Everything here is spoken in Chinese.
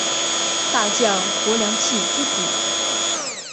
大将柏良器之子。